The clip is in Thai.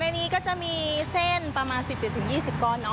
ในนี้ก็จะมีเส้นประมาณ๑๗๒๐ก้อน